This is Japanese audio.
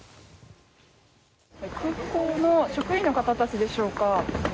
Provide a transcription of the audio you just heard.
空港の職員の方たちでしょうか。